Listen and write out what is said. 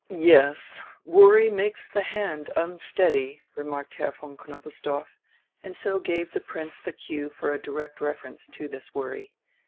"Yes, worry makes the hand unsteady," remarked Herr von Knobelsdorff, and so gave the Prince the cue for a direct reference to this worry.